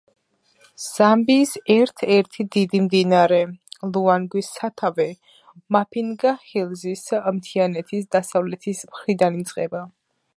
ზამბიის ერთ-ერთი დიდი მდინარე ლუანგვის სათავე მაფინგა ჰილზის მთიანეთის დასავლეთის მხრიდან იწყება.